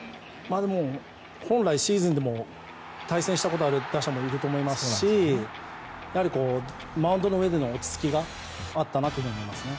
でも、本来シーズンでも対戦したことある打者もいると思いますしやはりマウンドの上での落ち着きがあったなと思います。